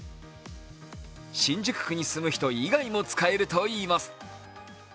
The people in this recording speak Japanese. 新宿区に住む人以外も使えるといいます。